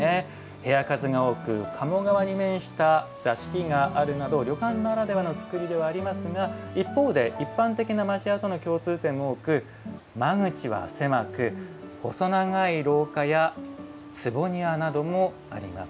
部屋数が多く鴨川に面した座敷があるなど旅館ならではのつくりではありますが一方で一般的な町家との共通点も多く間口は狭く細長い廊下や坪庭などもあります。